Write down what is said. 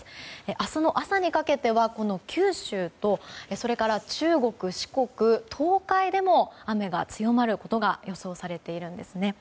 明日の朝にかけては九州と中国、四国、東海でも雨が強まることが予想されているんです。